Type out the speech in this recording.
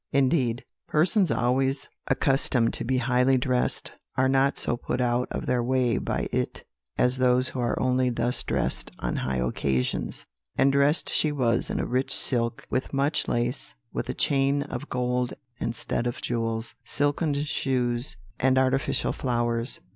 "Indeed, persons always accustomed to be highly dressed are not so put out of their way by it as those who are only thus dressed on high occasions; and dressed she was in a rich silk, with much lace, with a chain of gold and stud of jewels, silken shoes, and artificial flowers.